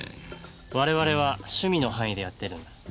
我々は趣味の範囲でやってるんだ。